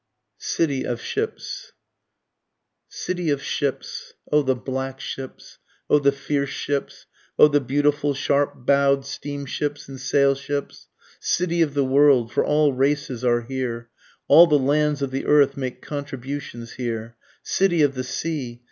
CITY OF SHIPS. City of ships! (O the black ships! O the fierce ships! O the beautiful sharp bow'd steam ships and sail ships!) City of the world! (for all races are here, All the lands of the earth make contributions here;) City of the sea!